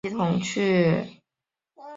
多尔多尼河畔阿莱。